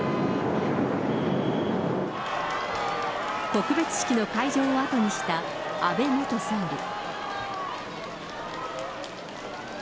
告別式の会場を後にした安倍元総理。